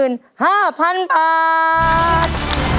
๑ล้านบาท